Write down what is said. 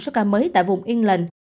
số ca mới tại vùng england